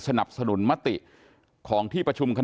สนับสนุนมติของที่ประชุมคณะ